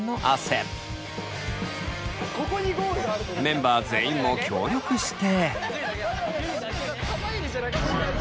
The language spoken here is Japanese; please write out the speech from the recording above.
メンバー全員も協力して。